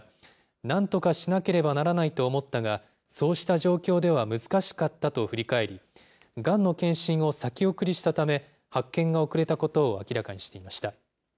なんとかしなければならないと思ったが、そうした状況では難しかったと振り返り、がんの検診を先送りしたため、発見が遅れたことを明らかにしていました。